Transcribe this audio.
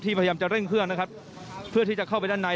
พยายามจะเร่งเครื่องนะครับเพื่อที่จะเข้าไปด้านใน